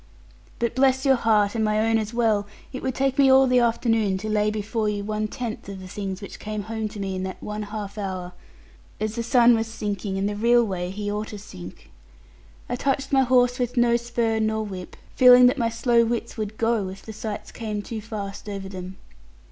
But bless your heart, and my own as well, it would take me all the afternoon to lay before you one tenth of the things which came home to me in that one half hour, as the sun was sinking, in the real way he ought to sink. I touched my horse with no spur nor whip, feeling that my slow wits would go, if the sights came too fast over them.